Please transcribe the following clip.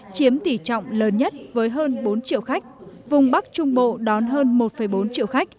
chiếm tỷ trọng lớn nhất với hơn bốn triệu khách vùng bắc trung bộ đón hơn một bốn triệu khách